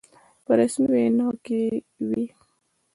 په رسمي ویناوو کې وي.